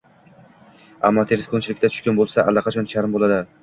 Ammo terisi ko‘nchilikka tushgan bo‘lsa, allaqachon charm bo‘ldi